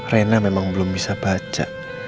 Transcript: rena memang belum bisa baca